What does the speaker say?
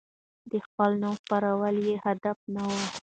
د خپل نوم خپرول يې هدف نه و.